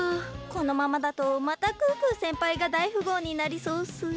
このままだとまた可可先輩が大富豪になりそうっす。